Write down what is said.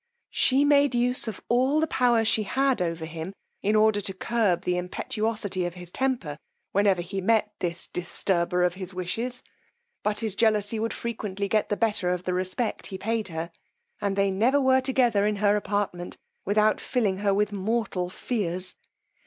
She made use of all the power she had over him in order to curb the impetuosity of his temper whenever he met this disturber of his wishes; but his jealousy would frequently get the better of the respect he paid her, and they never were together in her apartment without filling her with mortal fears.